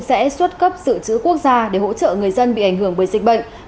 sẽ xuất cấp sự trữ quốc gia để hỗ trợ người dân bị ảnh hưởng bởi dịch bệnh